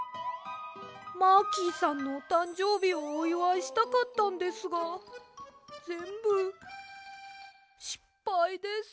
マーキーさんのおたんじょうびをおいわいしたかったんですがぜんぶしっぱいです。